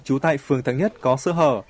trú tại phường thắng nhất có sơ hở